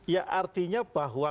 ya artinya bahwa